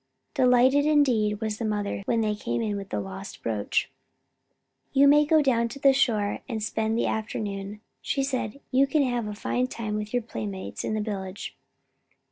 Delighted indeed was the mother when they came in with the lost brooch. "You may go down to the shore, and spend the afternoon," she said. "You can have a fine time with your playmates in the village."